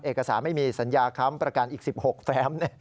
เอกสารไม่มีสัญญาค้ำประกันอีก๑๖แฟม